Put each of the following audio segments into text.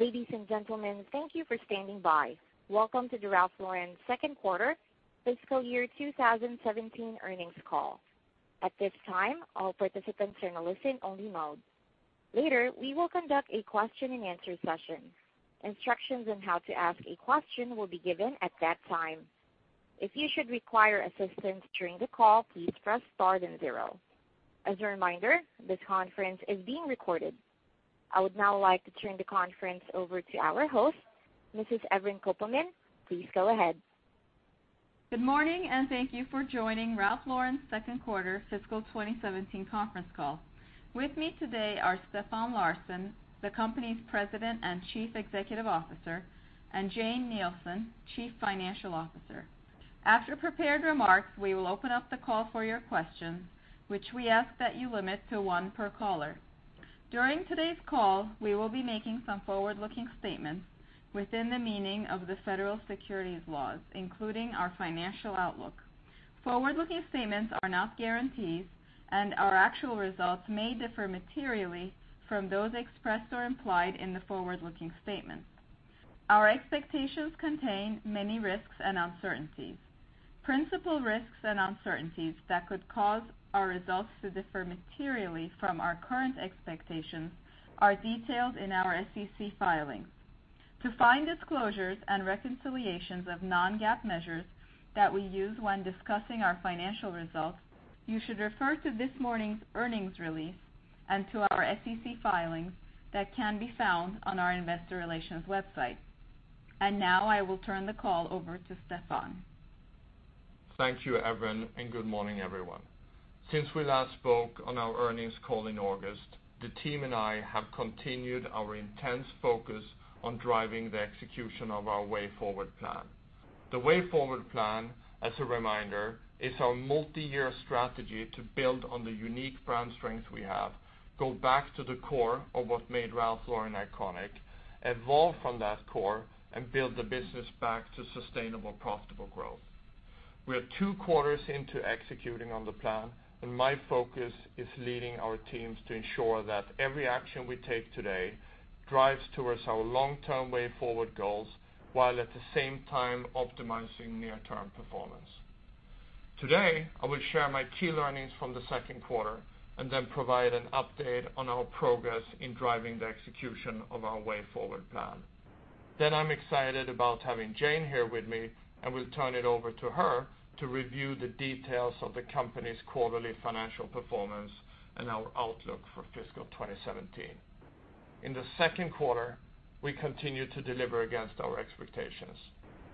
Ladies and gentlemen, thank you for standing by. Welcome to the Ralph Lauren second quarter fiscal year 2017 earnings call. At this time, all participants are in a listen only mode. Later, we will conduct a question and answer session. Instructions on how to ask a question will be given at that time. If you should require assistance during the call, please press star then zero. As a reminder, this conference is being recorded. I would now like to turn the conference over to our host, Mrs. Evren Kopelman. Please go ahead. Good morning. Thank you for joining Ralph Lauren second quarter fiscal 2017 conference call. With me today are Stefan Larsson, the company's President and Chief Executive Officer, and Jane Nielsen, Chief Financial Officer. After prepared remarks, we will open up the call for your questions, which we ask that you limit to one per caller. During today's call, we will be making some forward-looking statements within the meaning of the Federal Securities laws, including our financial outlook. Forward-looking statements are not guarantees, and our actual results may differ materially from those expressed or implied in the forward-looking statements. Our expectations contain many risks and uncertainties. Principal risks and uncertainties that could cause our results to differ materially from our current expectations are detailed in our SEC filings. To find disclosures and reconciliations of non-GAAP measures that we use when discussing our financial results, you should refer to this morning's earnings release and to our SEC filings that can be found on our investor relations website. Now I will turn the call over to Stefan. Thank you, Evren. Good morning, everyone. Since we last spoke on our earnings call in August, the team and I have continued our intense focus on driving the execution of our Way Forward plan. The Way Forward plan, as a reminder, is our multi-year strategy to build on the unique brand strengths we have, go back to the core of what made Ralph Lauren iconic, evolve from that core, and build the business back to sustainable, profitable growth. We are two quarters into executing on the plan, and my focus is leading our teams to ensure that every action we take today drives towards our long-term Way Forward goals, while at the same time optimizing near-term performance. Today, I will share my key learnings from the second quarter and then provide an update on our progress in driving the execution of our Way Forward plan. I'm excited about having Jane Nielsen here with me, and will turn it over to her to review the details of the company's quarterly financial performance and our outlook for fiscal 2017. In the second quarter, we continued to deliver against our expectations.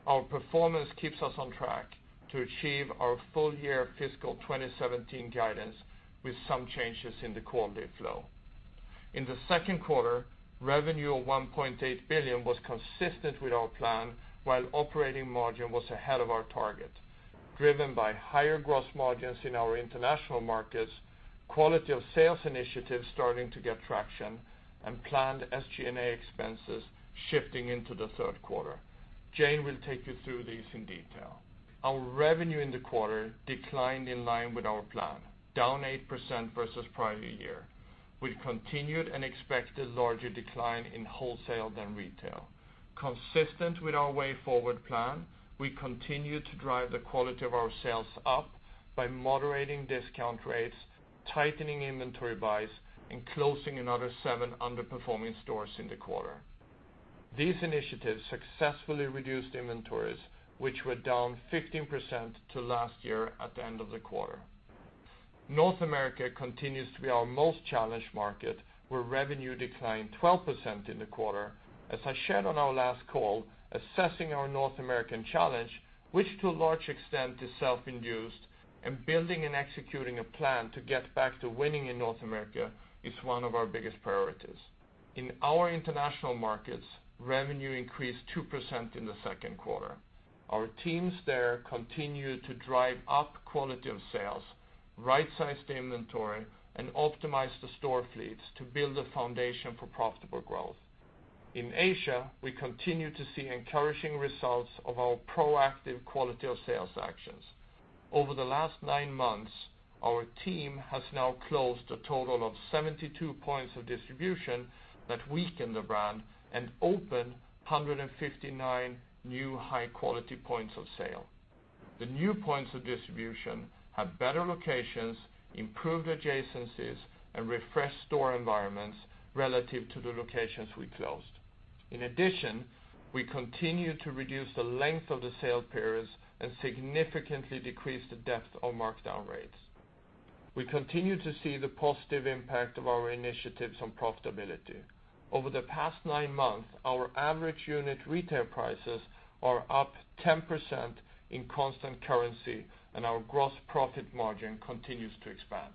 Our performance keeps us on track to achieve our full year fiscal 2017 guidance, with some changes in the quarterly flow. In the second quarter, revenue of $1.8 billion was consistent with our plan, while operating margin was ahead of our target, driven by higher gross margins in our international markets, quality of sales initiatives starting to get traction, and planned SG&A expenses shifting into the third quarter. Jane Nielsen will take you through these in detail. Our revenue in the quarter declined in line with our plan, down 8% versus prior year. We continued and expected larger decline in wholesale than retail. Consistent with our Way Forward plan, we continued to drive the quality of our sales up by moderating discount rates, tightening inventory buys, and closing another seven underperforming stores in the quarter. These initiatives successfully reduced inventories, which were down 15% to last year at the end of the quarter. North America continues to be our most challenged market, where revenue declined 12% in the quarter. As I shared on our last call, assessing our North American challenge, which to a large extent is self-induced, and building and executing a plan to get back to winning in North America is one of our biggest priorities. In our international markets, revenue increased 2% in the second quarter. Our teams there continued to drive up quality of sales, right-sized the inventory, and optimized the store fleets to build a foundation for profitable growth. In Asia, we continue to see encouraging results of our proactive quality of sales actions. Over the last nine months, our team has now closed a total of 72 points of distribution that weakened the brand and opened 159 new high-quality points of sale. The new points of distribution have better locations, improved adjacencies, and refreshed store environments relative to the locations we closed. In addition, we continue to reduce the length of the sale periods and significantly decrease the depth of markdown rates. We continue to see the positive impact of our initiatives on profitability. Over the past nine months, our average unit retail prices are up 10% in constant currency, and our gross profit margin continues to expand.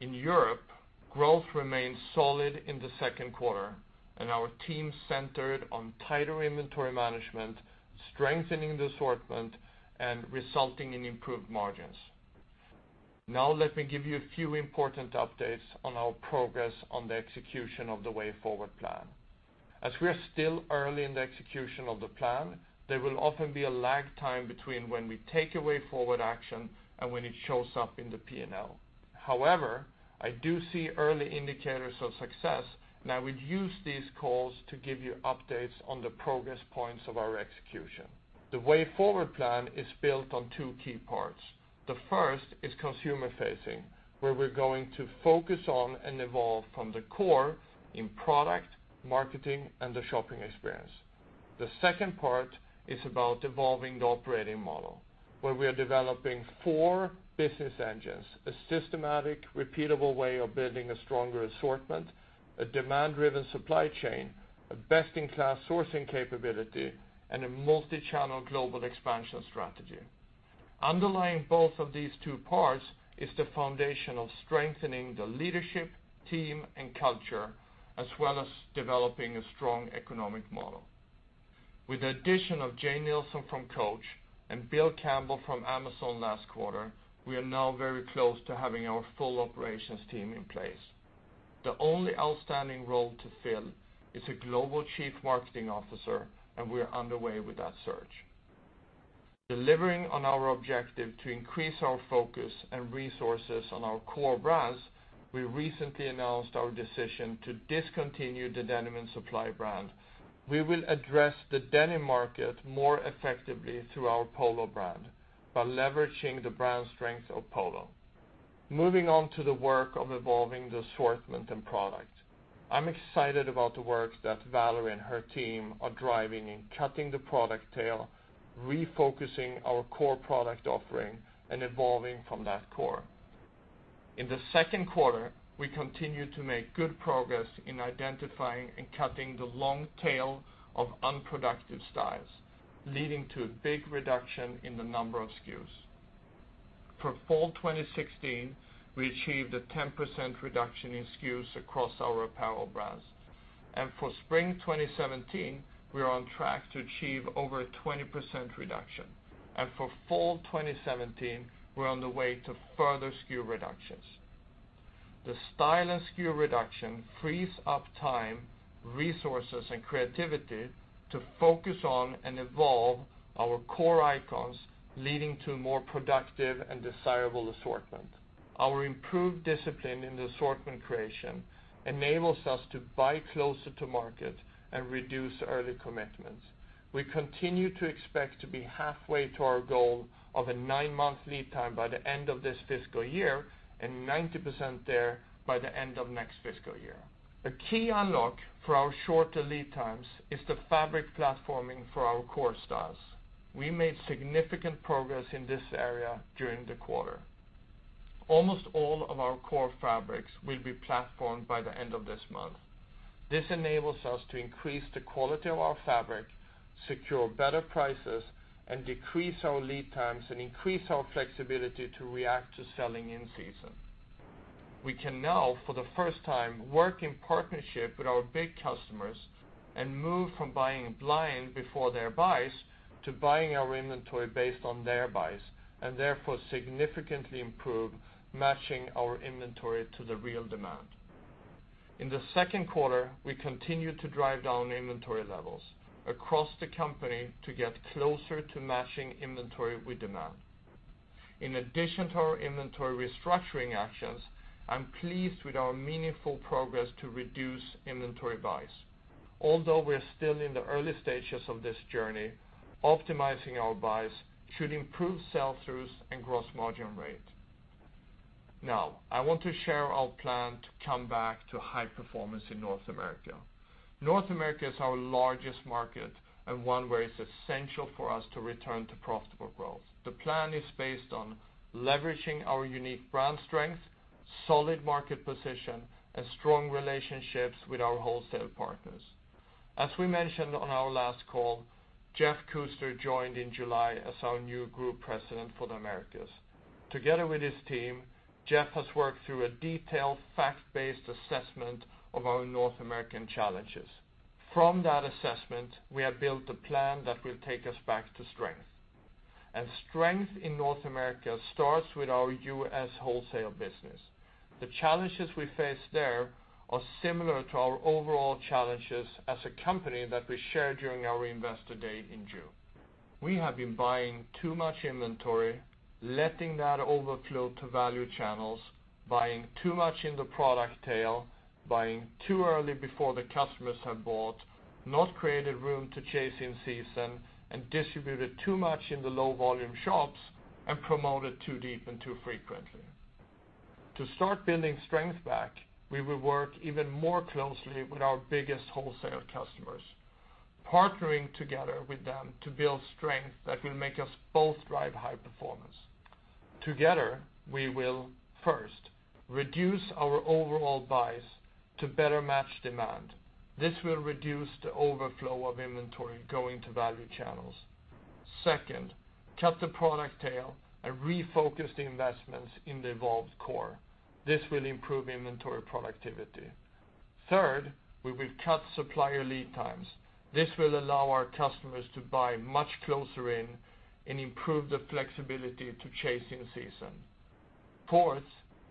In Europe, growth remained solid in the second quarter, and our team centered on tighter inventory management, strengthening the assortment, and resulting in improved margins. Let me give you a few important updates on our progress on the execution of the Way Forward plan. As we are still early in the execution of the plan, there will often be a lag time between when we take a Way Forward action and when it shows up in the P&L. However, I do see early indicators of success, and I will use these calls to give you updates on the progress points of our execution. The Way Forward plan is built on two key parts. The first is consumer facing, where we're going to focus on and evolve from the core in product, marketing, and the shopping experience. The second part is about evolving the operating model, where we are developing four business engines, a systematic, repeatable way of building a stronger assortment, a demand-driven supply chain, a best-in-class sourcing capability, and a multi-channel global expansion strategy. Underlying both of these two parts is the foundation of strengthening the leadership, team, and culture, as well as developing a strong economic model. With the addition of Jane Nielsen from Coach and Bill Campbell from Amazon last quarter, we are now very close to having our full operations team in place. The only outstanding role to fill is a global chief marketing officer. We are underway with that search. Delivering on our objective to increase our focus and resources on our core brands, we recently announced our decision to discontinue the Denim & Supply brand. We will address the denim market more effectively through our Polo brand by leveraging the brand strength of Polo. Moving on to the work of evolving the assortment and product. I'm excited about the work that Valerie and her team are driving in cutting the product tail, refocusing our core product offering, and evolving from that core. In the second quarter, we continued to make good progress in identifying and cutting the long tail of unproductive styles, leading to a big reduction in the number of SKUs. For fall 2016, we achieved a 10% reduction in SKUs across our apparel brands. For spring 2017, we are on track to achieve over a 20% reduction. For fall 2017, we're on the way to further SKU reductions. The style and SKU reduction frees up time, resources, and creativity to focus on and evolve our core icons, leading to more productive and desirable assortment. Our improved discipline in the assortment creation enables us to buy closer to market and reduce early commitments. We continue to expect to be halfway to our goal of a nine-month lead time by the end of this fiscal year and 90% there by the end of next fiscal year. A key unlock for our shorter lead times is the fabric platforming for our core styles. We made significant progress in this area during the quarter. Almost all of our core fabrics will be platformed by the end of this month. This enables us to increase the quality of our fabric, secure better prices, and decrease our lead times and increase our flexibility to react to selling in season. We can now, for the first time, work in partnership with our big customers and move from buying blind before their buys to buying our inventory based on their buys, and therefore significantly improve matching our inventory to the real demand. In the second quarter, we continued to drive down inventory levels across the company to get closer to matching inventory with demand. In addition to our inventory restructuring actions, I'm pleased with our meaningful progress to reduce inventory buys. Although we are still in the early stages of this journey, optimizing our buys should improve sell-throughs and gross margin rate. Now, I want to share our plan to come back to high performance in North America. North America is our largest market and one where it's essential for us to return to profitable growth. The plan is based on leveraging our unique brand strength, solid market position, and strong relationships with our wholesale partners. As we mentioned on our last call, Jeff Kuster joined in July as our new Group President for the Americas. Together with his team, Jeff has worked through a detailed, fact-based assessment of our North American challenges. From that assessment, we have built a plan that will take us back to strength. Strength in North America starts with our U.S. wholesale business. The challenges we face there are similar to our overall challenges as a company that we shared during our Investor Day in June. We have been buying too much inventory, letting that overflow to value channels, buying too much in the product tail, buying too early before the customers have bought, not created room to chase in season, and distributed too much in the low volume shops, and promoted too deep and too frequently. To start building strength back, we will work even more closely with our biggest wholesale customers, partnering together with them to build strength that will make us both drive high performance. Together, we will, first, reduce our overall buys to better match demand. This will reduce the overflow of inventory going to value channels. Second, cut the product tail and refocus the investments in the evolved core. This will improve inventory productivity. Third, we will cut supplier lead times. This will allow our customers to buy much closer in and improve the flexibility to chase in season. Fourth,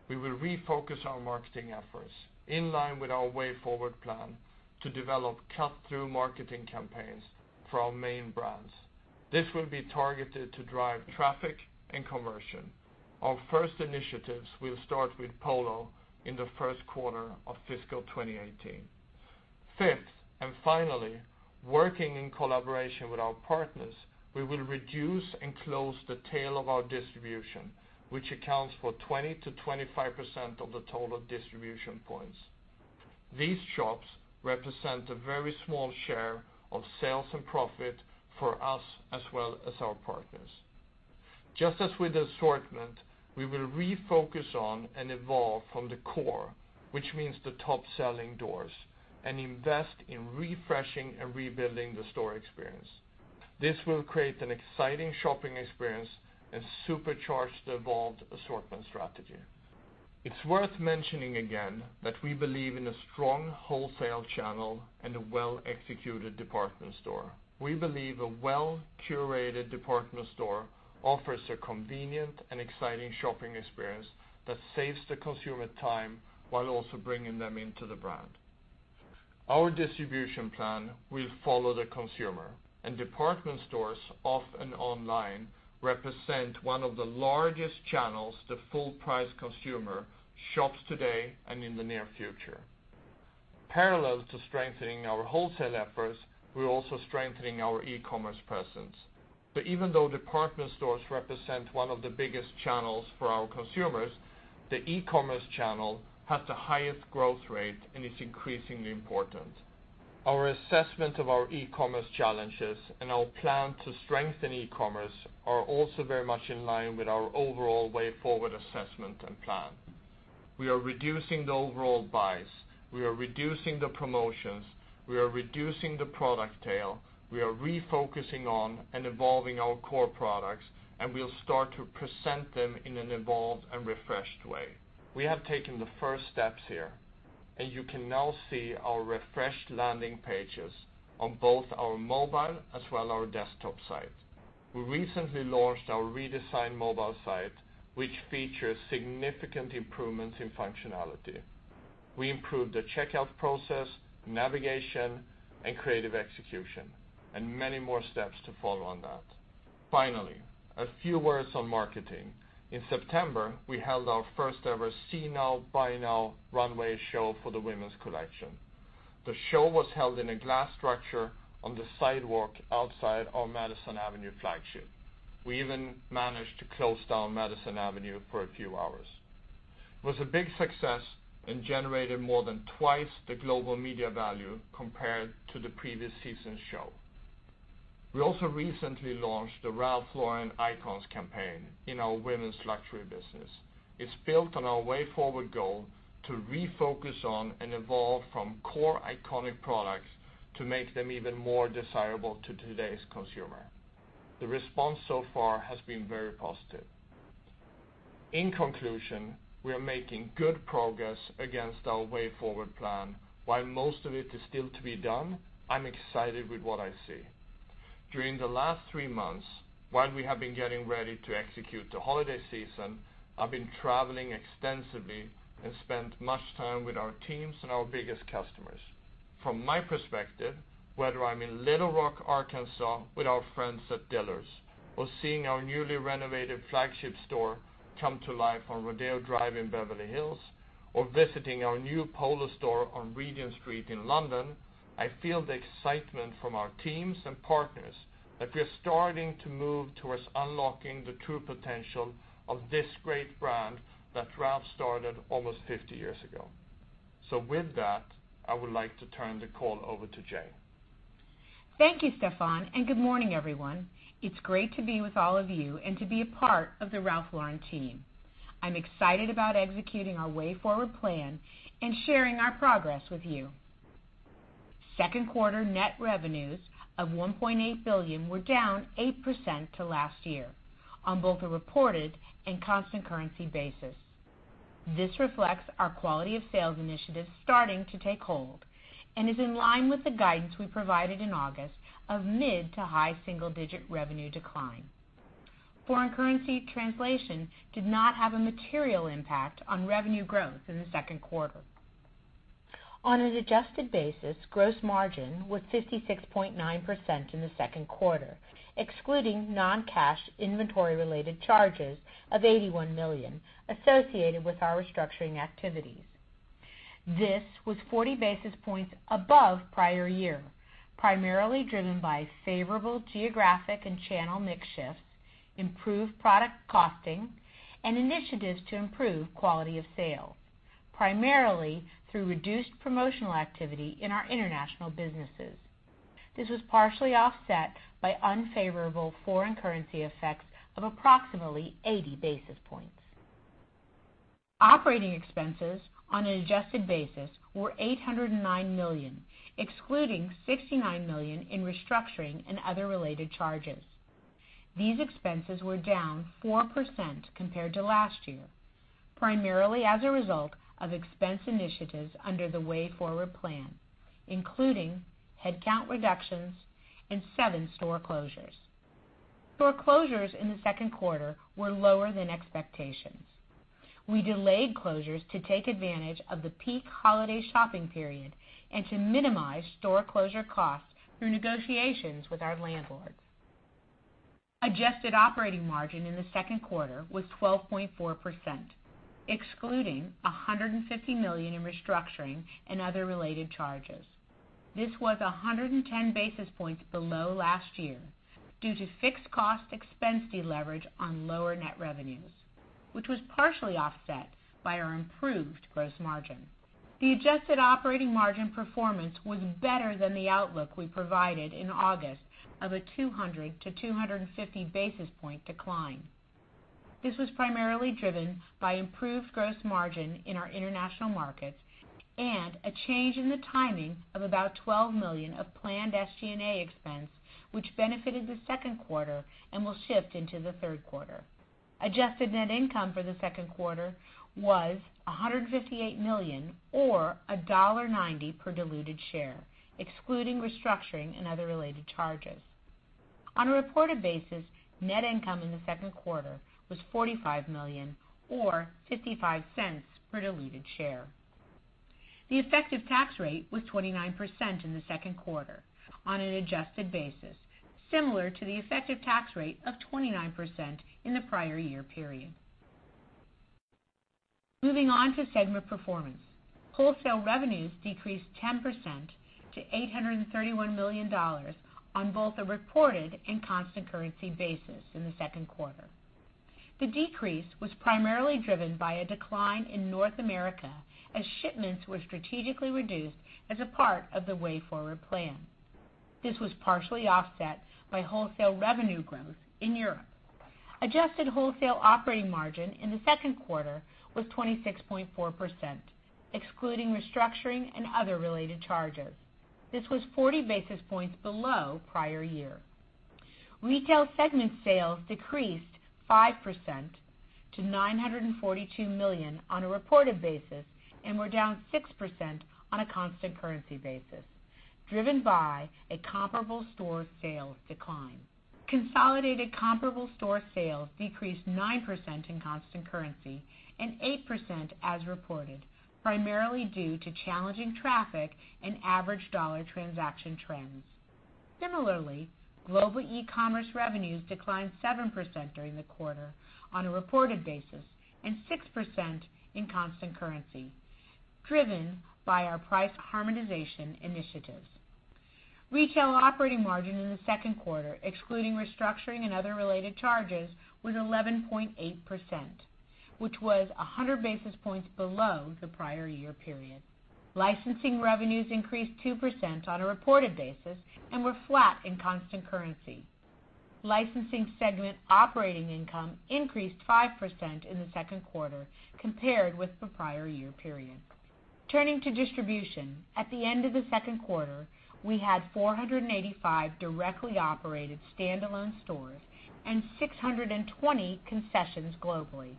we will refocus our marketing efforts in line with our Way Forward plan to develop cut-through marketing campaigns for our main brands. This will be targeted to drive traffic and conversion. Our first initiatives will start with Polo in the first quarter of fiscal 2018. Fifth, and finally, working in collaboration with our partners, we will reduce and close the tail of our distribution, which accounts for 20%-25% of the total distribution points. These shops represent a very small share of sales and profit for us as well as our partners. Just as with assortment, we will refocus on and evolve from the core, which means the top-selling doors, and invest in refreshing and rebuilding the store experience. This will create an exciting shopping experience and supercharge the evolved assortment strategy. It's worth mentioning again that we believe in a strong wholesale channel and a well-executed department store. We believe a well-curated department store offers a convenient and exciting shopping experience that saves the consumer time while also bringing them into the brand. Our distribution plan will follow the consumer. Department stores off and online represent one of the largest channels to full-price consumer shops today and in the near future. Parallel to strengthening our wholesale efforts, we're also strengthening our e-commerce presence. Even though department stores represent one of the biggest channels for our consumers, the e-commerce channel has the highest growth rate and is increasingly important. Our assessment of our e-commerce challenges and our plan to strengthen e-commerce are also very much in line with our overall Way Forward assessment and plan. We are reducing the overall buys. We are reducing the promotions. We are reducing the product tail. We are refocusing on and evolving our core products. We'll start to present them in an evolved and refreshed way. We have taken the first steps here. You can now see our refreshed landing pages on both our mobile as well our desktop sites. We recently launched our redesigned mobile site, which features significant improvements in functionality. We improved the checkout process, navigation, and creative execution. Many more steps to follow on that. Finally, a few words on marketing. In September, we held our first ever See Now, Buy Now runway show for the women's collection. The show was held in a glass structure on the sidewalk outside our Madison Avenue flagship. We even managed to close down Madison Avenue for a few hours. It was a big success and generated more than twice the global media value compared to the previous season's show. We also recently launched the Ralph Lauren Icons campaign in our women's luxury business. It's built on our Way Forward goal to refocus on and evolve from core iconic products to make them even more desirable to today's consumer. The response so far has been very positive. In conclusion, we are making good progress against our Way Forward plan. While most of it is still to be done, I'm excited with what I see. During the last three months, while we have been getting ready to execute the Holiday season, I've been traveling extensively and spent much time with our teams and our biggest customers. From my perspective, whether I'm in Little Rock, Arkansas, with our friends at Dillard's, or seeing our newly renovated flagship store come to life on Rodeo Drive in Beverly Hills, or visiting our new Polo store on Regent Street in London, I feel the excitement from our teams and partners that we are starting to move towards unlocking the true potential of this great brand that Ralph started almost 50 years ago. With that, I would like to turn the call over to Jane. Thank you, Stefan, and good morning, everyone. It's great to be with all of you and to be a part of the Ralph Lauren team. I'm excited about executing our Way Forward plan and sharing our progress with you. Second quarter net revenues of $1.8 billion were down 8% to last year on both a reported and constant currency basis. This reflects our quality of sales initiatives starting to take hold and is in line with the guidance we provided in August of mid to high single-digit revenue decline. Foreign currency translation did not have a material impact on revenue growth in the second quarter. On an adjusted basis, gross margin was 56.9% in the second quarter, excluding non-cash inventory-related charges of $81 million associated with our restructuring activities. This was 40 basis points above prior year, primarily driven by favorable geographic and channel mix shifts, improved product costing, and initiatives to improve quality of sale, primarily through reduced promotional activity in our international businesses. This was partially offset by unfavorable foreign currency effects of approximately 80 basis points. Operating expenses on an adjusted basis were $809 million, excluding $69 million in restructuring and other related charges. These expenses were down 4% compared to last year, primarily as a result of expense initiatives under the Way Forward plan, including headcount reductions and seven store closures. Store closures in the second quarter were lower than expectations. We delayed closures to take advantage of the peak holiday shopping period and to minimize store closure costs through negotiations with our landlords. Adjusted operating margin in the second quarter was 12.4%, excluding $150 million in restructuring and other related charges. This was 110 basis points below last year due to fixed cost expense deleverage on lower net revenues, which was partially offset by our improved gross margin. The adjusted operating margin performance was better than the outlook we provided in August of a 200 to 250 basis point decline. This was primarily driven by improved gross margin in our international markets and a change in the timing of about $12 million of planned SG&A expense, which benefited the second quarter and will shift into the third quarter. Adjusted net income for the second quarter was $158 million, or $1.90 per diluted share, excluding restructuring and other related charges. On a reported basis, net income in the second quarter was $45 million, or $0.55 per diluted share. The effective tax rate was 29% in the second quarter on an adjusted basis, similar to the effective tax rate of 29% in the prior year period. Moving on to segment performance. Wholesale revenues decreased 10% to $831 million on both a reported and constant currency basis in the second quarter. The decrease was primarily driven by a decline in North America as shipments were strategically reduced as a part of the Way Forward plan. This was partially offset by wholesale revenue growth in Europe. Adjusted wholesale operating margin in the second quarter was 26.4%, excluding restructuring and other related charges. This was 40 basis points below prior year. Retail segment sales decreased 5% to $942 million on a reported basis and were down 6% on a constant currency basis, driven by a comparable store sales decline. Consolidated comparable store sales decreased 9% in constant currency and 8% as reported, primarily due to challenging traffic and average dollar transaction trends. Similarly, global e-commerce revenues declined 7% during the quarter on a reported basis and 6% in constant currency, driven by our price harmonization initiatives. Retail operating margin in the second quarter, excluding restructuring and other related charges, was 11.8%, which was 100 basis points below the prior year period. Licensing revenues increased 2% on a reported basis and were flat in constant currency. Licensing segment operating income increased 5% in the second quarter compared with the prior year period. Turning to distribution. At the end of the second quarter, we had 485 directly operated standalone stores and 620 concessions globally.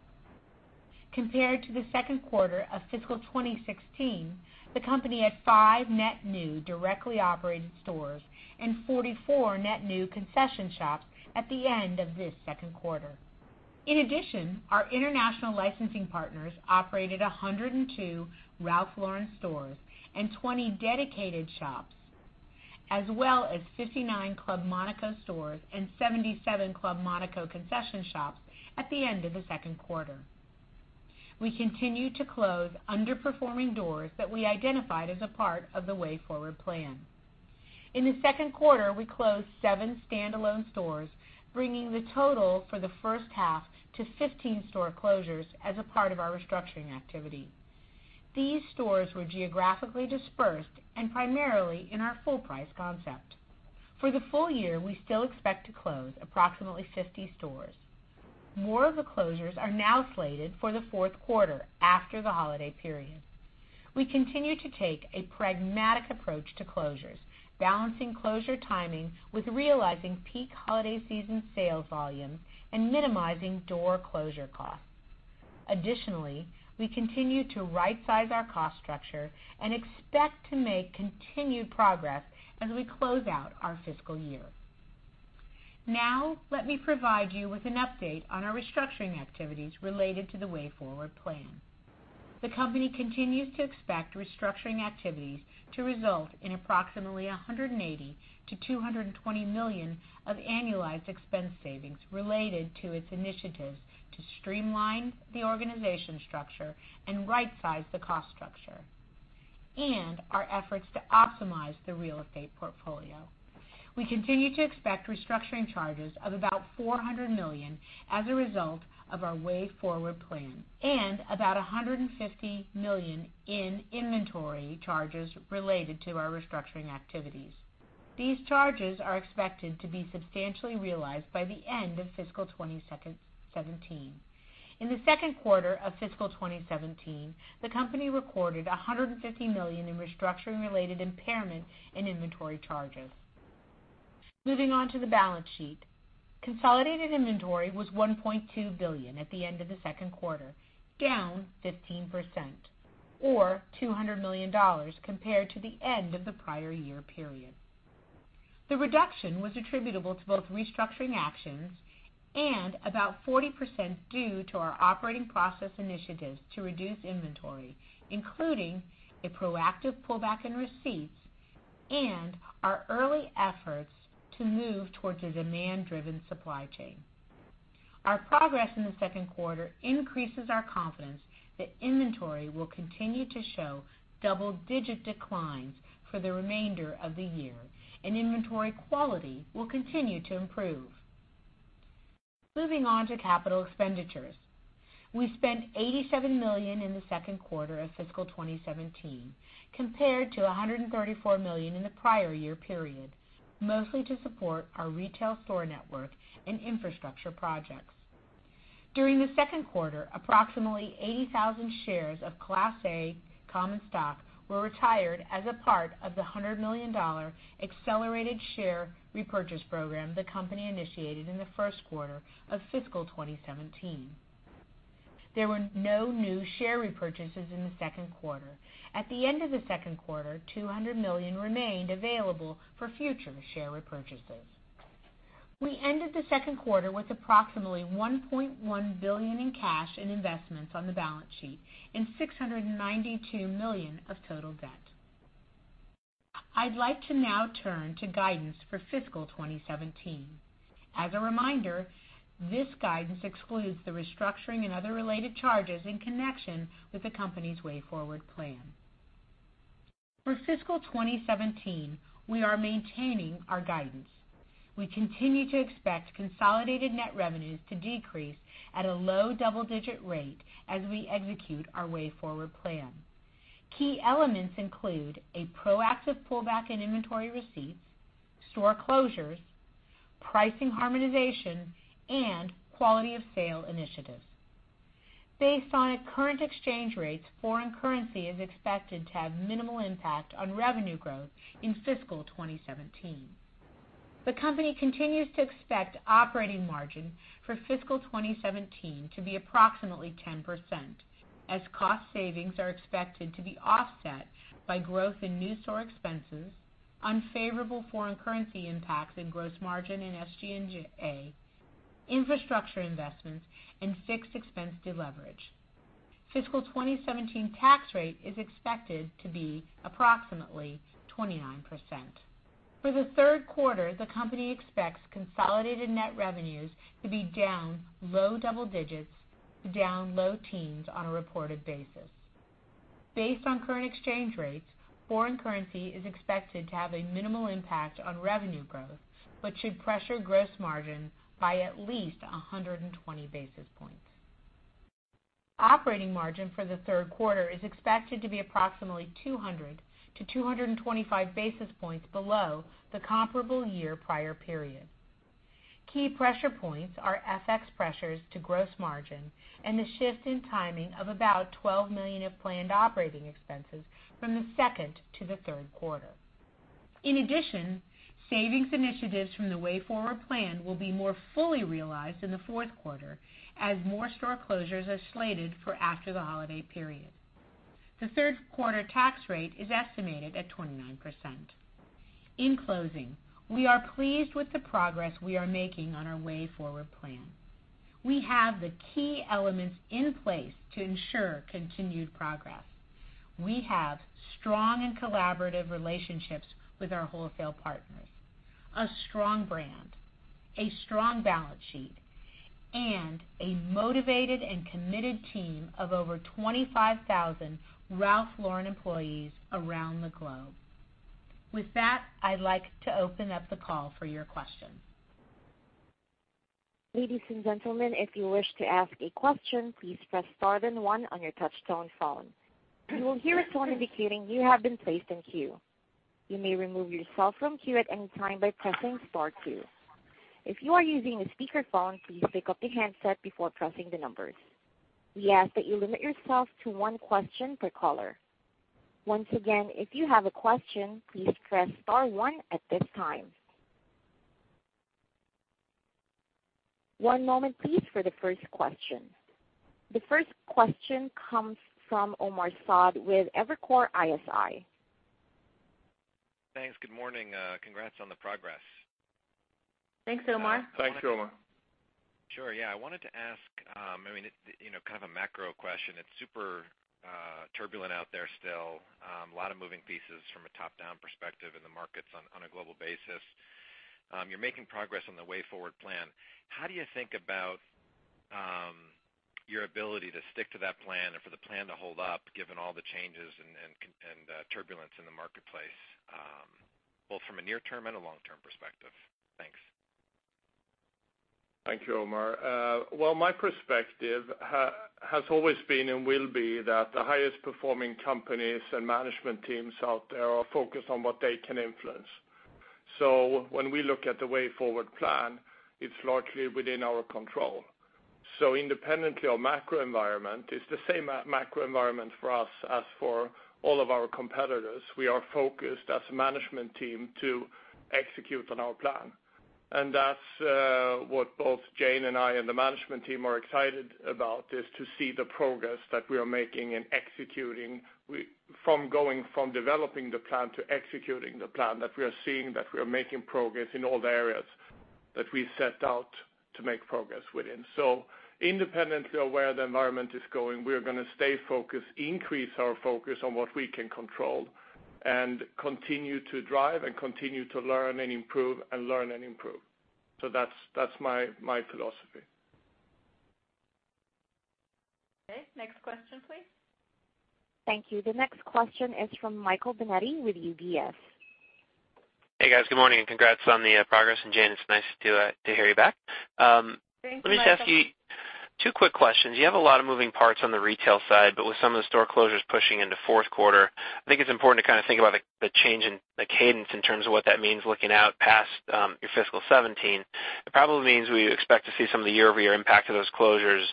Compared to the second quarter of FY 2016, the company had five net new directly operated stores and 44 net new concession shops at the end of this second quarter. In addition, our international licensing partners operated 102 Ralph Lauren stores and 20 dedicated shops, as well as 59 Club Monaco stores and 77 Club Monaco concession shops at the end of the second quarter. We continue to close underperforming doors that we identified as a part of the Way Forward plan. In the second quarter, we closed seven standalone stores, bringing the total for the first half to 15 store closures as a part of our restructuring activity. These stores were geographically dispersed and primarily in our full price concept. For the full year, we still expect to close approximately 50 stores. More of the closures are now slated for the fourth quarter after the Holiday period. We continue to take a pragmatic approach to closures, balancing closure timing with realizing peak Holiday season sales volume and minimizing door closure costs. Additionally, we continue to right-size our cost structure and expect to make continued progress as we close out our fiscal year. Now, let me provide you with an update on our restructuring activities related to the Way Forward plan. The company continues to expect restructuring activities to result in approximately $180 million to $220 million of annualized expense savings related to its initiatives to streamline the organization structure and right-size the cost structure, and our efforts to optimize the real estate portfolio. We continue to expect restructuring charges of about $400 million as a result of our Way Forward plan and about $150 million in inventory charges related to our restructuring activities. These charges are expected to be substantially realized by the end of fiscal 2017. In the second quarter of fiscal 2017, the company recorded $150 million in restructuring-related impairment in inventory charges. Moving on to the balance sheet. Consolidated inventory was $1.2 billion at the end of the second quarter, down 15%, or $200 million compared to the end of the prior year period. The reduction was attributable to both restructuring actions and about 40% due to our operating process initiatives to reduce inventory, including a proactive pullback in receipts and our early efforts to move towards a demand-driven supply chain. Our progress in the second quarter increases our confidence that inventory will continue to show double-digit declines for the remainder of the year, and inventory quality will continue to improve. Moving on to capital expenditures. We spent $87 million in the second quarter of fiscal 2017, compared to $134 million in the prior year period, mostly to support our retail store network and infrastructure projects. During the second quarter, approximately 80,000 shares of Class A common stock were retired as a part of the $100 million accelerated share repurchase program the company initiated in the first quarter of fiscal 2017. There were no new share repurchases in the second quarter. At the end of the second quarter, $200 million remained available for future share repurchases. We ended the second quarter with approximately $1.1 billion in cash and investments on the balance sheet and $692 million of total debt. I'd like to now turn to guidance for fiscal 2017. As a reminder, this guidance excludes the restructuring and other related charges in connection with the company's Way Forward plan. For fiscal 2017, we are maintaining our guidance. We continue to expect consolidated net revenues to decrease at a low double-digit rate as we execute our Way Forward plan. Key elements include a proactive pullback in inventory receipts, store closures, pricing harmonization, and quality of sale initiatives. Based on current exchange rates, foreign currency is expected to have minimal impact on revenue growth in fiscal 2017. The company continues to expect operating margin for fiscal 2017 to be approximately 10%, as cost savings are expected to be offset by growth in new store expenses, unfavorable foreign currency impacts in gross margin and SG&A, infrastructure investments, and fixed expense deleverage. Fiscal 2017 tax rate is expected to be approximately 29%. For the third quarter, the company expects consolidated net revenues to be down low double digits to down low teens on a reported basis. Based on current exchange rates, foreign currency is expected to have a minimal impact on revenue growth but should pressure gross margin by at least 120 basis points. Operating margin for the third quarter is expected to be approximately 200 to 225 basis points below the comparable year prior period. Key pressure points are FX pressures to gross margin and the shift in timing of about $12 million of planned operating expenses from the second to the third quarter. In addition, savings initiatives from the Way Forward plan will be more fully realized in the fourth quarter as more store closures are slated for after the Holiday period. The third quarter tax rate is estimated at 29%. In closing, we are pleased with the progress we are making on our Way Forward plan. We have the key elements in place to ensure continued progress. We have strong and collaborative relationships with our wholesale partners, a strong brand, a strong balance sheet, and a motivated and committed team of over 25,000 Ralph Lauren employees around the globe. With that, I'd like to open up the call for your questions. Ladies and gentlemen, if you wish to ask a question, please press star then one on your touchtone phone. You will hear a tone indicating you have been placed in queue. You may remove yourself from queue at any time by pressing star two. If you are using a speakerphone, please pick up the handset before pressing the numbers. We ask that you limit yourself to one question per caller. Once again, if you have a question, please press star one at this time. One moment please for the first question. The first question comes from Omar Saad with Evercore ISI. Thanks. Good morning. Congrats on the progress. Thanks, Omar. Thanks, Omar. Sure. Yeah, I wanted to ask kind of a macro question. It's super turbulent out there still. A lot of moving pieces from a top-down perspective in the markets on a global basis. You're making progress on the Way Forward plan. How do you think about your ability to stick to that plan and for the plan to hold up given all the changes and turbulence in the marketplace, both from a near-term and a long-term perspective? Thanks. Thank you, Omar. Well, my perspective has always been and will be that the highest performing companies and management teams out there are focused on what they can influence. When we look at the Way Forward plan, it is largely within our control. Independently of macro environment, it is the same macro environment for us as for all of our competitors. We are focused as a management team to execute on our plan. That is what both Jane and I and the management team are excited about, is to see the progress that we are making in executing, from going from developing the plan to executing the plan, that we are seeing that we are making progress in all the areas that we set out to make progress within. Independently of where the environment is going, we are going to stay focused, increase our focus on what we can control, and continue to drive and continue to learn and improve. That is my philosophy. Okay. Next question, please. Thank you. The next question is from Michael Binetti with UBS. Hey, guys. Good morning. Congrats on the progress. Jane, it's nice to hear you back. Thanks, Michael. Let me just ask you two quick questions. You have a lot of moving parts on the retail side. With some of the store closures pushing into fourth quarter, I think it's important to think about the change in the cadence in terms of what that means looking out past your fiscal 2017. It probably means we expect to see some of the year-over-year impact of those closures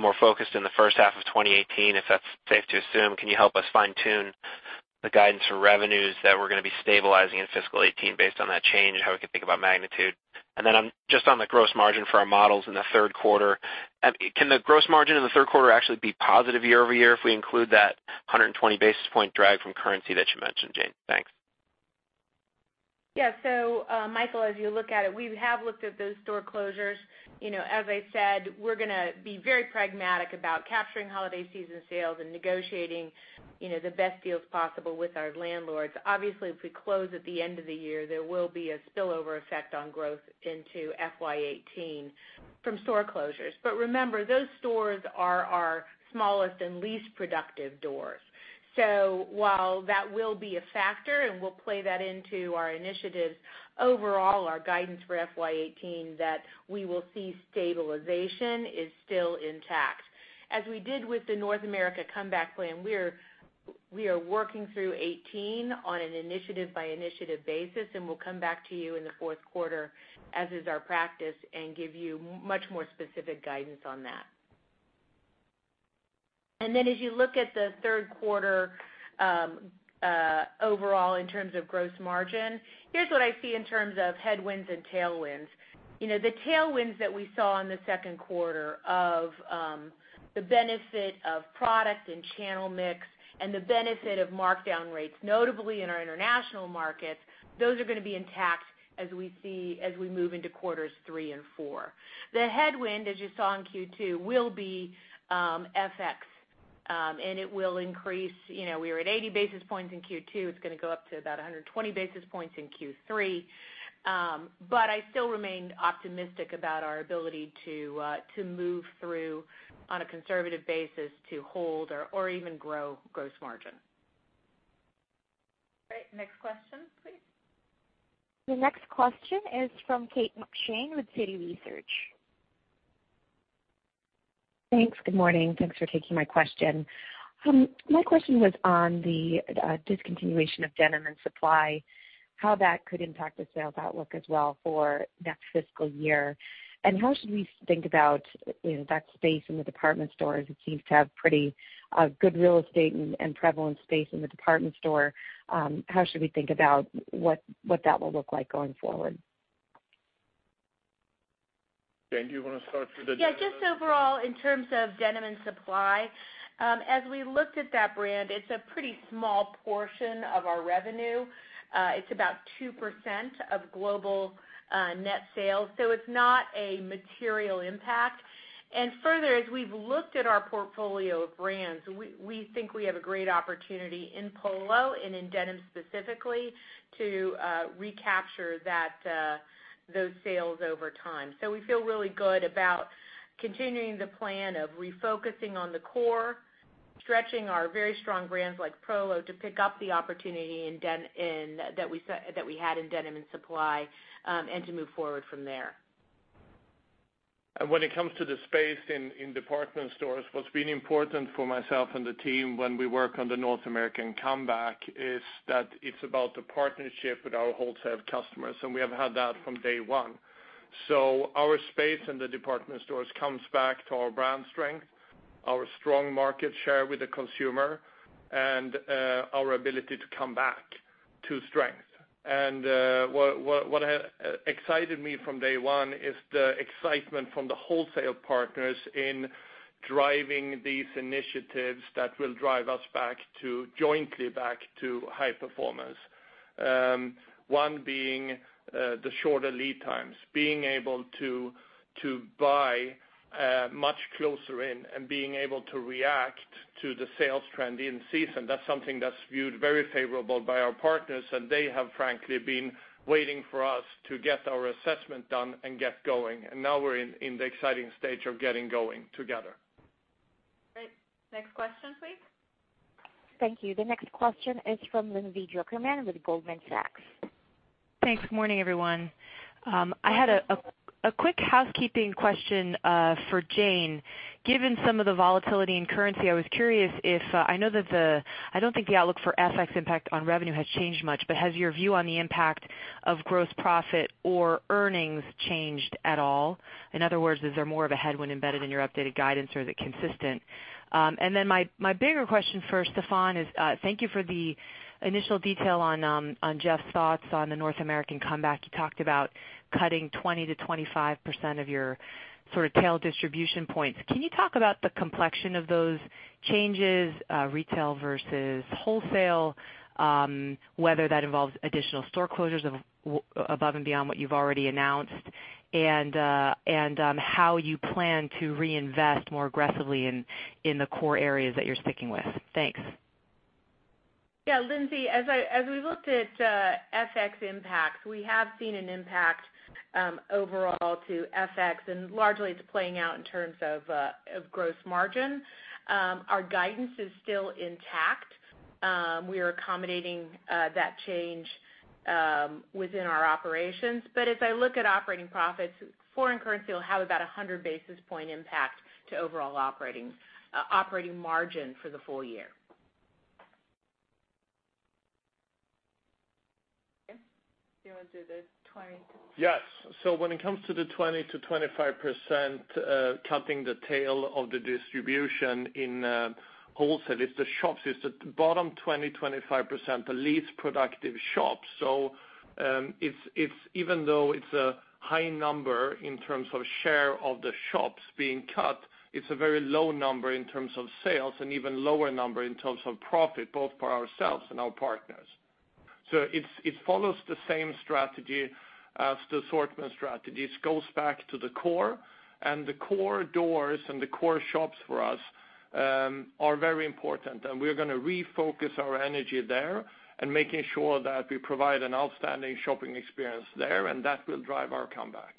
more focused in the first half of 2018, if that's safe to assume. Can you help us fine-tune the guidance for revenues that we're going to be stabilizing in fiscal 2018 based on that change and how we can think about magnitude? Just on the gross margin for our models in the third quarter, can the gross margin in the third quarter actually be positive year-over-year if we include that 120 basis point drag from currency that you mentioned, Jane? Thanks. Yeah. Michael, as you look at it, we have looked at those store closures. As I said, we're going to be very pragmatic about capturing holiday season sales and negotiating the best deals possible with our landlords. Obviously, if we close at the end of the year, there will be a spillover effect on growth into FY18 from store closures. Remember, those stores are our smallest and least productive doors. While that will be a factor and we'll play that into our initiatives, overall, our guidance for FY18 that we will see stabilization is still intact. As we did with the North America Comeback Plan, we are working through 2018 on an initiative by initiative basis, and we'll come back to you in the fourth quarter, as is our practice, and give you much more specific guidance on that. As you look at the third quarter overall in terms of gross margin, here's what I see in terms of headwinds and tailwinds. The tailwinds that we saw in the second quarter of the benefit of product and channel mix and the benefit of markdown rates, notably in our international markets, those are going to be intact as we move into quarters three and four. The headwind, as you saw in Q2, will be FX, and it will increase. We were at 80 basis points in Q2. It's going to go up to about 120 basis points in Q3. I still remain optimistic about our ability to move through on a conservative basis to hold or even grow gross margin. Great. Next question, please. The next question is from Kate McShane with Citi Research. Thanks. Good morning. Thanks for taking my question. My question was on the discontinuation of Denim & Supply, how that could impact the sales outlook as well for next fiscal year. How should we think about that space in the department stores? It seems to have pretty good real estate and prevalent space in the department store. How should we think about what that will look like going forward? Jane, do you want to start with the Denim & Supply? Yeah, just overall in terms of Denim & Supply, as we looked at that brand, it's a pretty small portion of our revenue. It's about 2% of global net sales, so it's not a material impact. Further, as we've looked at our portfolio of brands, we think we have a great opportunity in Polo and in denim specifically to recapture those sales over time. We feel really good about continuing the plan of refocusing on the core, stretching our very strong brands like Polo to pick up the opportunity that we had in Denim & Supply, and to move forward from there. When it comes to the space in department stores, what's been important for myself and the team when we work on the North American comeback is that it's about the partnership with our wholesale customers, and we have had that from day one. Our space in the department stores comes back to our brand strength, our strong market share with the consumer, and our ability to come back to strength. What excited me from day one is the excitement from the wholesale partners in driving these initiatives that will drive us jointly back to high performance. One being the shorter lead times, being able to buy much closer in and being able to react to the sales trend in season. That's something that's viewed very favorably by our partners, and they have frankly been waiting for us to get our assessment done and get going. Now we're in the exciting stage of getting going together. Great. Next question, please. Thank you. The next question is from Lindsay Drucker Mann with Goldman Sachs. Thanks. Good morning, everyone. I had a quick housekeeping question for Jane. Given some of the volatility in currency, I was curious if I know that the, I don't think the outlook for FX impact on revenue has changed much, but has your view on the impact of gross profit or earnings changed at all? In other words, is there more of a headwind embedded in your updated guidance or is it consistent? My bigger question for Stefan is, thank you for the initial detail on Jeff's thoughts on the North American comeback. You talked about cutting 20%-25% of your sort of tail distribution points. Can you talk about the complexion of those changes, retail versus wholesale, whether that involves additional store closures above and beyond what you've already announced, and how you plan to reinvest more aggressively in the core areas that you're sticking with? Thanks. Lindsay, as we looked at FX impacts, we have seen an impact overall to FX, and largely it's playing out in terms of gross margin. Our guidance is still intact. We are accommodating that change within our operations. As I look at operating profits, foreign currency will have about 100 basis point impact to overall operating margin for the full year. Okay. Do you want to do the 20 to- Yes. When it comes to the 20%-25% cutting the tail of the distribution in wholesale, it's the shops. It's the bottom 20%, 25%, the least productive shops. Even though it's a high number in terms of share of the shops being cut, it's a very low number in terms of sales and even lower number in terms of profit, both for ourselves and our partners. It follows the same strategy as the assortment strategies. It goes back to the core, and the core doors and the core shops for us are very important, and we're going to refocus our energy there and making sure that we provide an outstanding shopping experience there, and that will drive our comeback.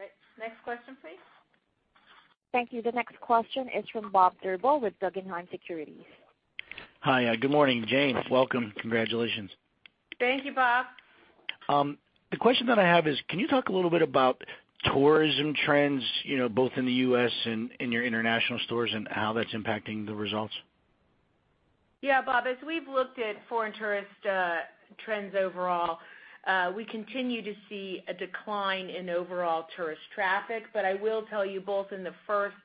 Okay. Next question, please. Thank you. The next question is from Bob Drbul with Guggenheim Securities. Hi. Good morning. Jane, welcome. Congratulations. Thank you, Bob. The question that I have is, can you talk a little bit about tourism trends, both in the U.S. and in your international stores, and how that's impacting the results? Yeah, Bob, as we've looked at foreign tourist trends overall, we continue to see a decline in overall tourist traffic. I will tell you both in the first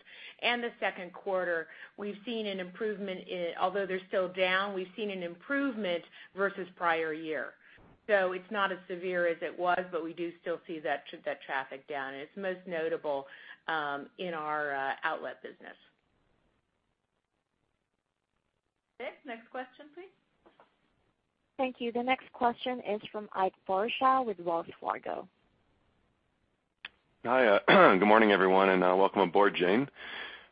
and the second quarter, although they're still down, we've seen an improvement versus prior year. It's not as severe as it was, but we do still see that traffic down, and it's most notable in our outlet business. Okay. Next question, please. Thank you. The next question is from Ike Boruchow with Wells Fargo. Hi. Good morning, everyone, and welcome aboard, Jane.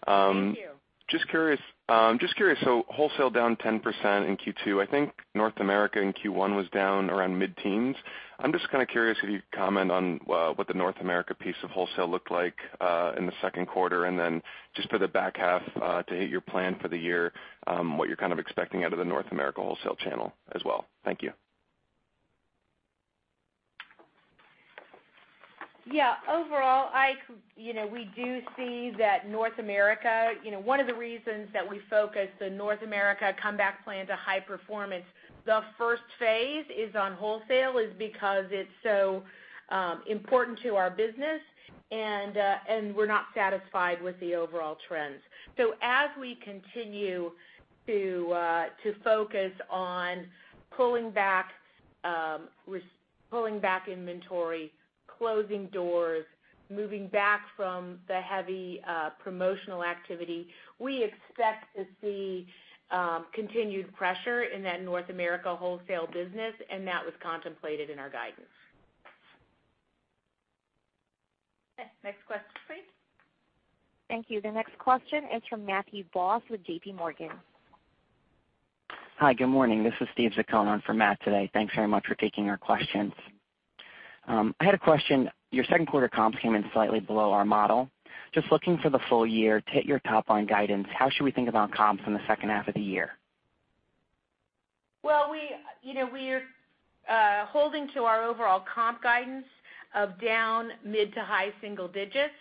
Thank you. Just curious. Wholesale down 10% in Q2. I think North America in Q1 was down around mid-teens. I'm just kind of curious if you could comment on what the North America piece of wholesale looked like in the second quarter, and then just for the back half to hit your plan for the year, what you're kind of expecting out of the North America wholesale channel as well. Thank you. Yeah. Overall, Ike, one of the reasons that we focused the North America comeback plan to high performance, the first phase is on wholesale is because it's so important to our business, and we're not satisfied with the overall trends. As we continue to focus on pulling back inventory, closing doors, moving back from the heavy promotional activity, we expect to see continued pressure in that North America wholesale business, and that was contemplated in our guidance. Okay. Next question, please. Thank you. The next question is from Matthew Boss with JPMorgan. Hi, good morning. This is Steve Zacoun for Matt today. Thanks very much for taking our questions. I had a question. Your second quarter comps came in slightly below our model. Just looking for the full year to hit your top-line guidance, how should we think about comps in the second half of the year? Well, we're holding to our overall comp guidance of down mid to high single digits.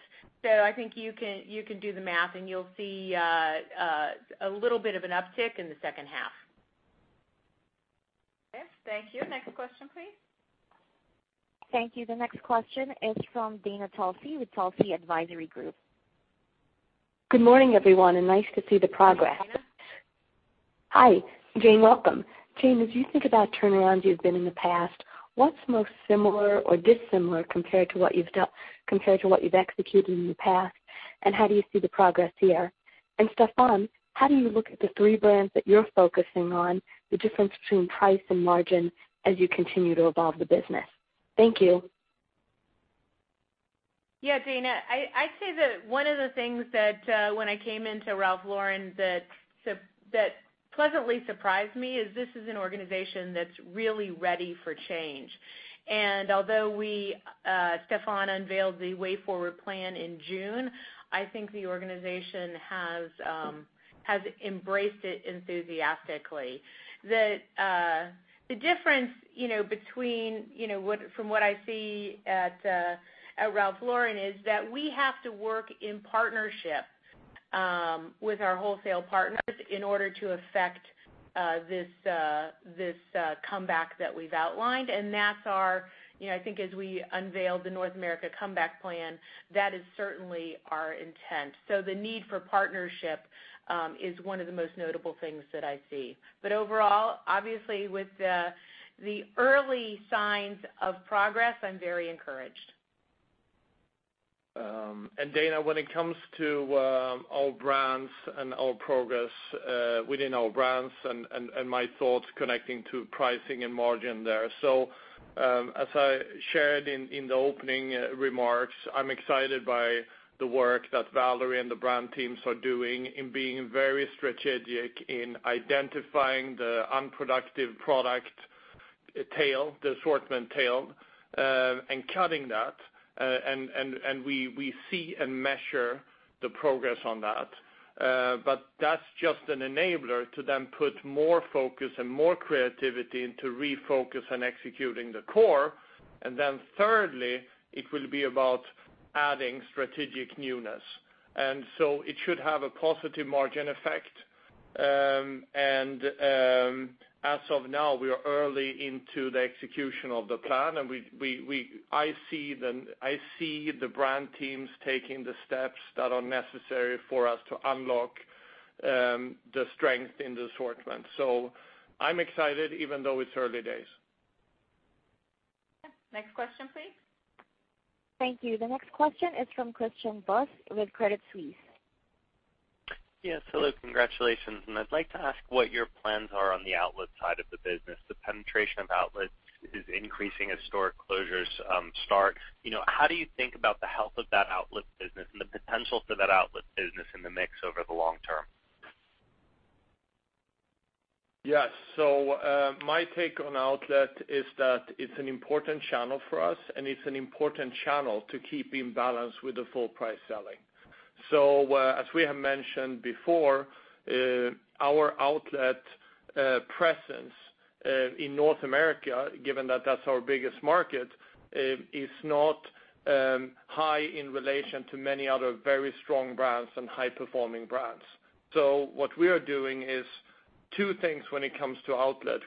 I think you can do the math, and you'll see a little bit of an uptick in the second half. Okay. Thank you. Next question, please. Thank you. The next question is from Dana Telsey with Telsey Advisory Group. Good morning, everyone, and nice to see the progress. Hi, Dana. Hi, Jane. Welcome. Jane, as you think about turnarounds you've been in the past, what's most similar or dissimilar compared to what you've executed in the past, and how do you see the progress here? Stefan, how do you look at the three brands that you're focusing on, the difference between price and margin as you continue to evolve the business? Thank you. Dana, I'd say that one of the things that when I came into Ralph Lauren that pleasantly surprised me is this is an organization that's really ready for change. Although Stefan unveiled the Way Forward plan in June, I think the organization has embraced it enthusiastically. The difference from what I see at Ralph Lauren is that we have to work in partnership with our wholesale partners in order to affect this comeback that we've outlined, I think as we unveiled the North America comeback plan, that is certainly our intent. The need for partnership is one of the most notable things that I see. Overall, obviously with the early signs of progress, I'm very encouraged. Dana, when it comes to our brands and our progress within our brands, and my thoughts connecting to pricing and margin there. As I shared in the opening remarks, I'm excited by the work that Valerie and the brand teams are doing in being very strategic in identifying the unproductive product tail, the assortment tail, and cutting that, we see and measure the progress on that. That's just an enabler to then put more focus and more creativity into refocus and executing the core, then thirdly, it will be about adding strategic newness. It should have a positive margin effect. As of now, we are early into the execution of the plan, I see the brand teams taking the steps that are necessary for us to unlock the strength in the assortment. I'm excited even though it's early days. Next question, please. Thank you. The next question is from Christian Buss with Credit Suisse. Yes, hello, congratulations. I'd like to ask what your plans are on the outlet side of the business. The penetration of outlets is increasing as store closures start. How do you think about the health of that outlet business and the potential for that outlet business in the mix over the long term? Yes. My take on outlet is that it's an important channel for us, and it's an important channel to keep in balance with the full price selling. As we have mentioned before, our outlet presence in North America, given that that's our biggest market, is not high in relation to many other very strong brands and high-performing brands. What we are doing is two things when it comes to outlet.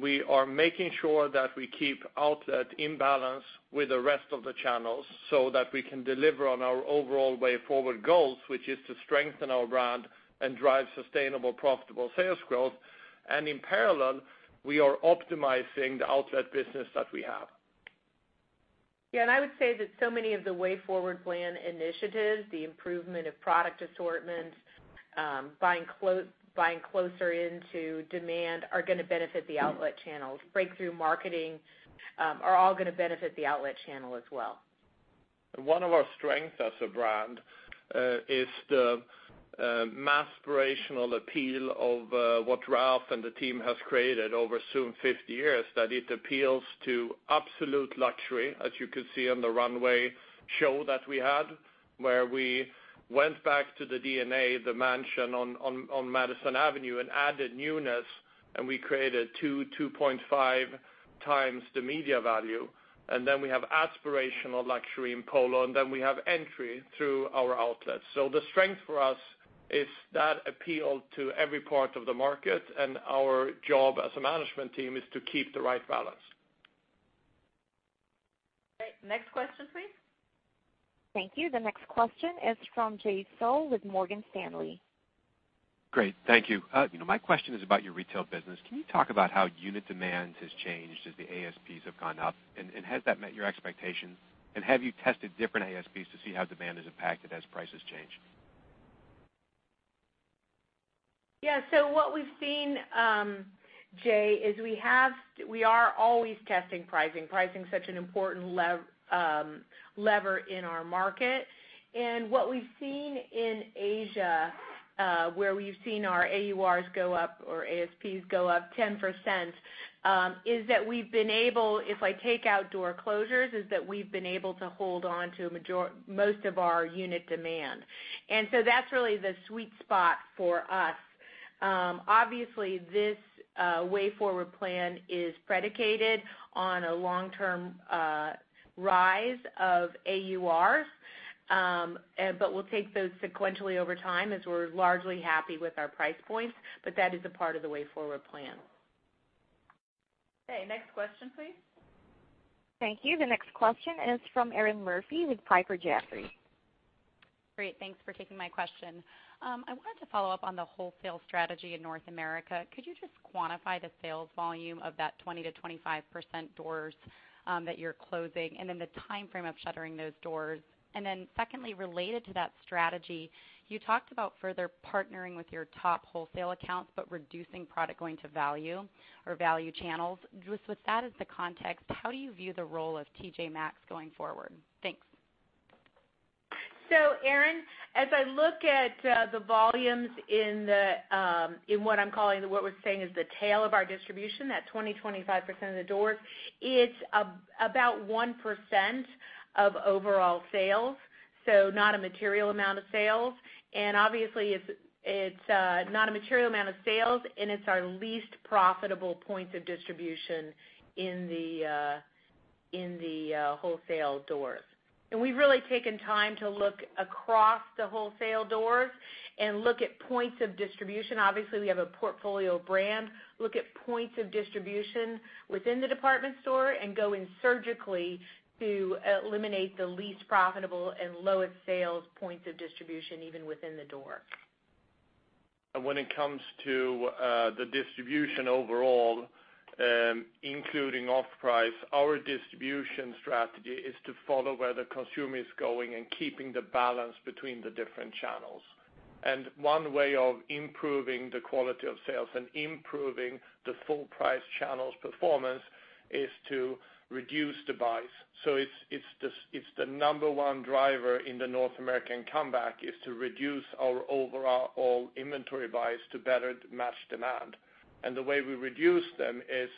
We are making sure that we keep outlet in balance with the rest of the channels so that we can deliver on our overall Way Forward goals, which is to strengthen our brand and drive sustainable, profitable sales growth. In parallel, we are optimizing the outlet business that we have. I would say that so many of the Way Forward plan initiatives, the improvement of product assortments, buying closer into demand, are going to benefit the outlet channels. Breakthrough marketing are all going to benefit the outlet channel as well. One of our strengths as a brand, is the mass aspirational appeal of what Ralph and the team has created over soon 50 years, that it appeals to absolute luxury, as you could see on the runway show that we had, where we went back to the DNA of the mansion on Madison Avenue and added newness. We created 2.5 times the media value. We have aspirational luxury in Polo. We have entry through our outlets. The strength for us is that appeal to every part of the market. Our job as a management team is to keep the right balance. Great. Next question, please. Thank you. The next question is from Jay Sole with Morgan Stanley. Great. Thank you. My question is about your retail business. Can you talk about how unit demand has changed as the ASPs have gone up, and has that met your expectations? Have you tested different ASPs to see how demand is impacted as prices change? What we've seen, Jay, is we are always testing pricing. Pricing is such an important lever in our market. What we've seen in Asia, where we've seen our AURs go up, or ASPs go up 10%, is that we've been able, if I take out door closures, is that we've been able to hold on to most of our unit demand. That's really the sweet spot for us. Obviously, this Way Forward plan is predicated on a long-term rise of AURs, we'll take those sequentially over time as we're largely happy with our price points. That is a part of the Way Forward plan. Okay. Next question, please. Thank you. The next question is from Erinn Murphy with Piper Jaffray. Great, thanks for taking my question. I wanted to follow up on the wholesale strategy in North America. Could you just quantify the sales volume of that 20%-25% doors that you're closing, and then the timeframe of shuttering those doors? Secondly, related to that strategy, you talked about further partnering with your top wholesale accounts, but reducing product going to value or value channels. Just with that as the context, how do you view the role of TJ Maxx going forward? Thanks. Erinn, as I look at the volumes in what I'm calling, what we're saying is the tail of our distribution, that 20%-25% of the doors, it's about 1% of overall sales, not a material amount of sales. Obviously it's not a material amount of sales, and it's our least profitable points of distribution in the wholesale doors. We've really taken time to look across the wholesale doors and look at points of distribution. Obviously, we have a portfolio brand, look at points of distribution within the department store and go in surgically to eliminate the least profitable and lowest sales points of distribution, even within the door. When it comes to the distribution overall, including off-price, our distribution strategy is to follow where the consumer is going and keeping the balance between the different channels. One way of improving the quality of sales and improving the full-price channel's performance is to reduce the buys. It's the number one driver in the North American comeback, is to reduce our overall inventory buys to better match demand. The way we reduce them is,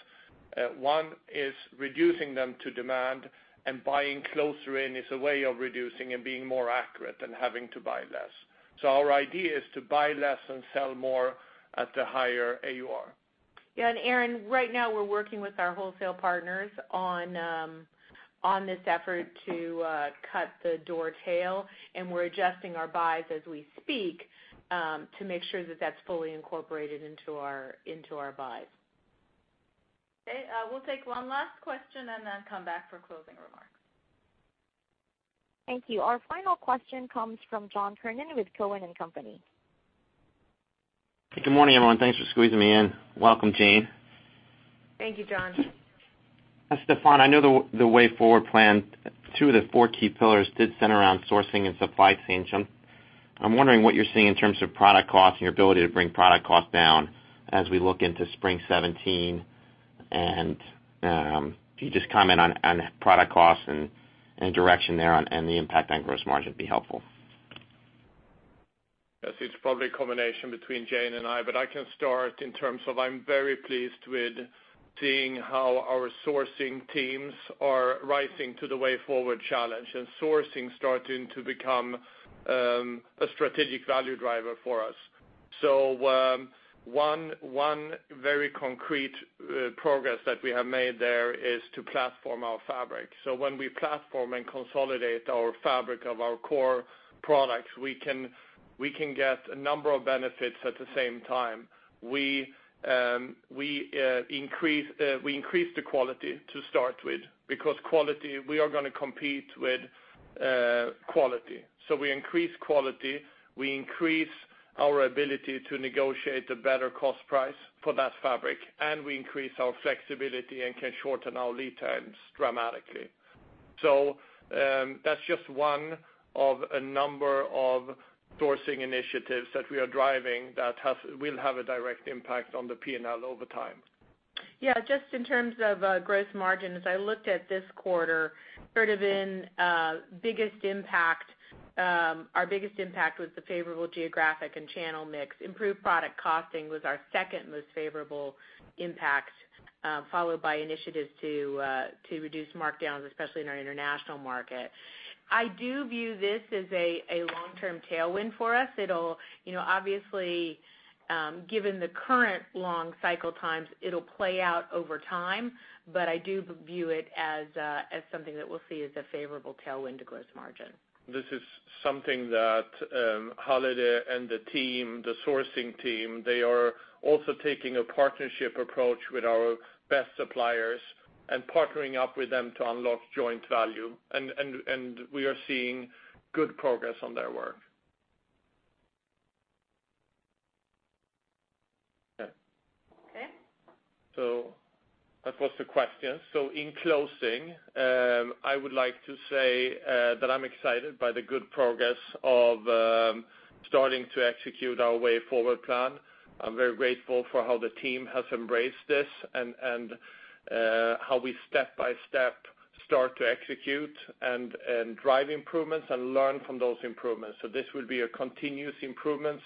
one, is reducing them to demand and buying closer in is a way of reducing and being more accurate and having to buy less. Our idea is to buy less and sell more at a higher AUR. Yeah, Erinn, right now we're working with our wholesale partners on this effort to cut the door tail. We're adjusting our buys as we speak, to make sure that that's fully incorporated into our buys. Okay. We'll take one last question. Then come back for closing remarks. Thank you. Our final question comes from John Kernan with Cowen and Company. Good morning, everyone. Thanks for squeezing me in. Welcome, Jane. Thank you, John. Stefan, I know the Way Forward plan, two of the four key pillars did center around sourcing and supply chain. I'm wondering what you're seeing in terms of product cost and your ability to bring product cost down as we look into spring 2017, if you just comment on product cost and direction there, and the impact on gross margin would be helpful. Yes, it's probably a combination between Jane and I can start in terms of, I'm very pleased with seeing how our sourcing teams are rising to the Way Forward challenge. Sourcing's starting to become a strategic value driver for us. One very concrete progress that we have made there is to platform our fabric. When we platform and consolidate our fabric of our core products, we can get a number of benefits at the same time. We increase the quality to start with, because quality, we are going to compete with quality. We increase quality, we increase our ability to negotiate a better cost price for that fabric, we increase our flexibility and can shorten our lead times dramatically. That's just one of a number of sourcing initiatives that we are driving that will have a direct impact on the P&L over time. Just in terms of gross margin, as I looked at this quarter, our biggest impact was the favorable geographic and channel mix. Improved product costing was our second most favorable impact, followed by initiatives to reduce markdowns, especially in our international market. I do view this as a long-term tailwind for us. Obviously, given the current long cycle times, it'll play out over time, but I do view it as something that we'll see as a favorable tailwind to gross margin. This is something that Holiday and the sourcing team, they are also taking a partnership approach with our best suppliers and partnering up with them to unlock joint value. We are seeing good progress on their work. Okay. That was the questions. In closing, I would like to say that I'm excited by the good progress of starting to execute our Way Forward plan. I'm very grateful for how the team has embraced this and how we step by step start to execute and drive improvements and learn from those improvements. This will be a continuous improvements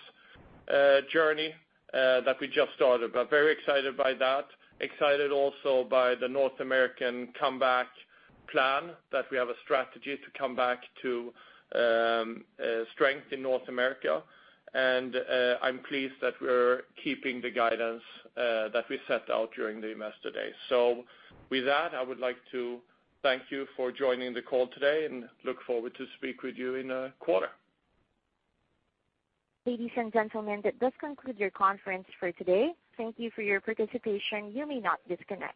journey that we just started. Very excited by that. Excited also by the North American comeback plan, that we have a strategy to come back to strength in North America. I'm pleased that we're keeping the guidance that we set out during the investor day. With that, I would like to thank you for joining the call today and look forward to speak with you in a quarter. Ladies and gentlemen, this concludes your conference for today. Thank you for your participation. You may now disconnect.